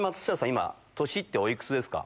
今年っておいくつですか？